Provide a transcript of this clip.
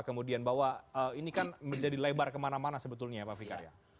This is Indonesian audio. kemudian bahwa ini kan menjadi lebar kemana mana sebetulnya ya pak fikar ya